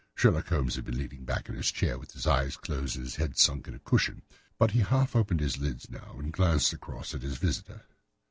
Sherlock Holmes had been leaning back in his chair with his eyes closed and his head sunk in a cushion, but he half opened his lids now and glanced across at his visitor.